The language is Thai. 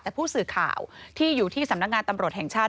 แต่ผู้สื่อข่าวที่อยู่ที่สำนักงานตำรวจแห่งชาติ